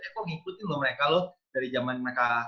kok ngikutin loh mereka loh dari zaman mereka